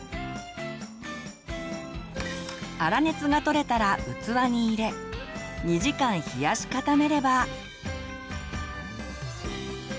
粗熱が取れたら器に入れ２時間冷やし固めれば。